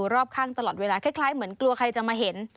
รอบข้างตลอดเวลาคล้ายเหมือนกลัวใครจะมาเห็น